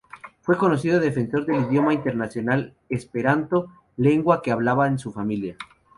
Fue un conocido defensor del idioma internacional esperanto, lengua que hablaba en su familia.